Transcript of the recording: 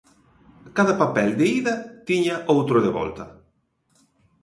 Cada papel de ida tiña outro de volta.